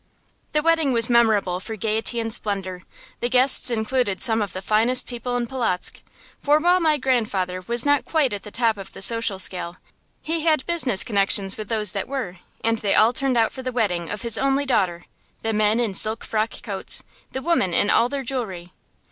The wedding was memorable for gayety and splendor. The guests included some of the finest people in Polotzk; for while my grandfather was not quite at the top of the social scale, he had business connections with those that were, and they all turned out for the wedding of his only daughter, the men in silk frock coats, the women in all their jewelry.